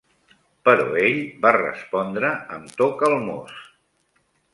Però ell, va respondre amb to calmós